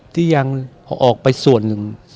ที่ยังออกไปส่วนอื่น